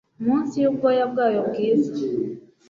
munsi yubwoya bwayo bwiza